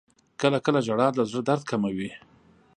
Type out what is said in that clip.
• کله کله ژړا د زړه درد کموي.